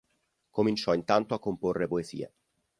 Cominciò intanto a comporre poesie.